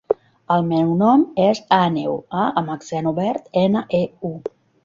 El meu nom és Àneu: a amb accent obert, ena, e, u.